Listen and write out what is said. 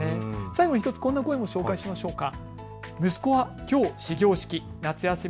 最後に１つ、こんな声も紹介しましょうか。